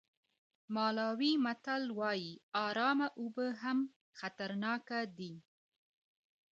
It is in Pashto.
مالاوي متل وایي ارامه اوبه هم خطرناک دي.